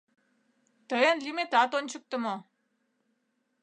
Тыйын лӱметат ончыктымо...